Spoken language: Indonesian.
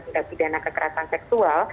tindak pidana kekerasan seksual